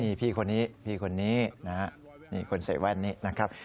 นี่พี่คนนี้พี่คนนี้นะฮะนี่คนใส่แว่นนี้นะครับ